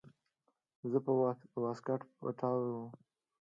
زه به واسکټ پټاووم.